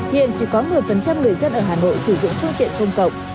hiện chỉ có một mươi người dân ở hà nội sử dụng phương tiện công cộng